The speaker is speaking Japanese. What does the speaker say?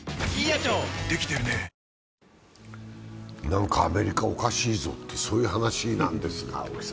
なんかアメリカ、おかしいぞっていう話なんですけど。